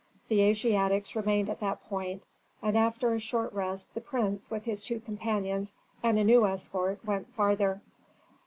The Asiatics remained at that point, and after a short rest the prince with his two companions and a new escort went farther.